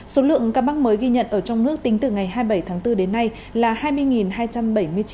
số lượng ca mắc mới ghi nhận ở trong nước tính từ ngày hai mươi bảy tháng bốn đến nay là hai mươi hai trăm bảy mươi chín ca